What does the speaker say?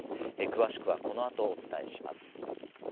詳しくは、この後お伝えします。